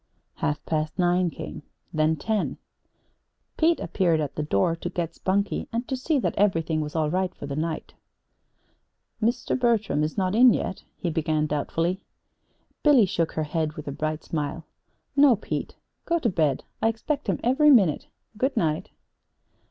Half past nine came, then ten. Pete appeared at the door to get Spunkie, and to see that everything was all right for the night. "Mr. Bertram is not in yet?" he began doubtfully. Billy shook her head with a bright smile. "No, Pete. Go to bed. I expect him every minute. Good night."